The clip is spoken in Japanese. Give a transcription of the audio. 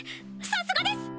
さすがです！